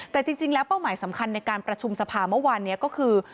แต่จริงแล้วเป้าหมายสำคัญในการประชุมสภาเมื่อวานนี้ก็คือ